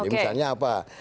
jadi misalnya apa